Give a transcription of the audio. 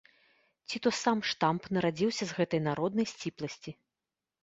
Ці то сам штамп нарадзіўся з гэтай народнай сціпласці.